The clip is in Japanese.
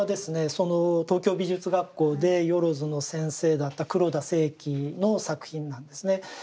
その東京美術学校で萬の先生だった黒田清輝の作品なんですね。